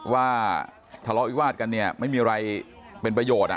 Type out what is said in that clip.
ว่าทะเลาะวิวาสกันเนี่ยไม่มีอะไรเป็นประโยชน์